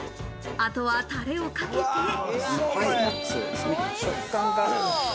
あとはタレをかけて。